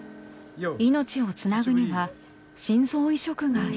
命をつなぐには心臓移植が必要です。